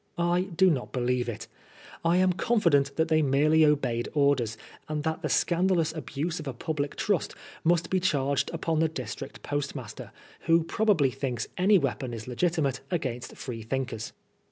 I do not believe it. I am confident that they merely obeyed orders, and that the scandalous abuse of a public trust must be charged upon the district postmaster, who pro bably thinks any weapon is legitimate against IVee thinkers.